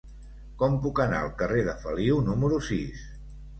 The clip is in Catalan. Com puc anar al carrer de Feliu número sis?